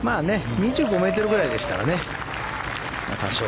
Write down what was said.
２５ｍぐらいでしたら多少。